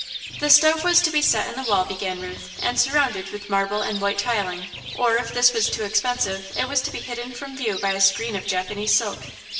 "The stove was to be set into the wall," began Ruth, "and surrounded with marble and white tiling, or, if this was too expensive, it was to be hidden from view by a screen of Japanese silk.